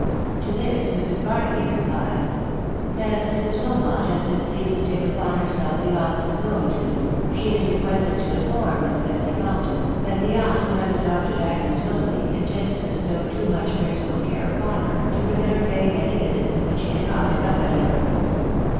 To this Mrs. Barnaby replied, —" As Mrs. Wilmot has been pleased to take upon herself the office of go between, she is requested to inform Miss Betsy Compton, that the aunt who has adopted Agnes Willoughby, intends to bestow too much personal care upon her, to permit her paying any visits in which she cannot accompany her."